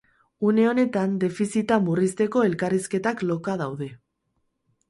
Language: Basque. Une honetan defizita murrizteko elkarrizketak loka daude.